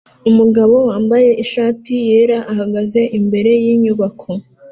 Umugabo wambaye ishati yera ahagaze imbere yinyubako